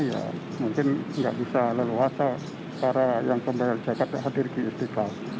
ya mungkin nggak bisa leluasa para yang pembayar zakat yang hadir di istiqlal